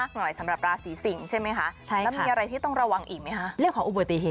ใกล้ไม่ขันไม่นอน